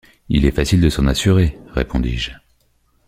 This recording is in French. Il est facile de s’en assurer, » répondis-je.